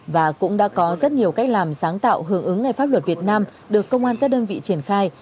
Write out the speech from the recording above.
và cũng đã có rất nhiều cách làm sáng tạo hưởng ứng ngày pháp luật việt nam được công an các đơn vị triển khai